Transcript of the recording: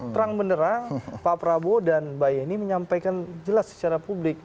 terang benerang pak prabowo dan mbak yeni menyampaikan jelas secara publik